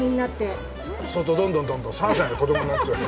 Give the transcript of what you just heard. そうするとどんどんどんどん３歳の子供になっちゃう。